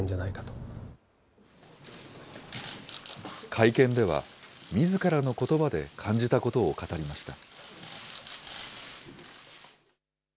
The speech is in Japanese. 会見では、みずからのことばで感じたことを語りました。